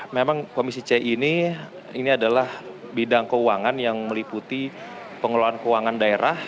memang komisi c ini ini adalah bidang keuangan yang meliputi pengelolaan keuangan daerah